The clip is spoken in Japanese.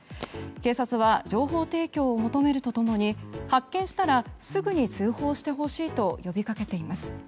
警察は情報提供を求めるとともに発見したらすぐに通報してほしいと呼びかけています。